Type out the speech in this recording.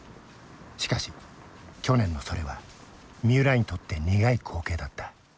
しかし去年のそれは三浦にとって苦い光景だった。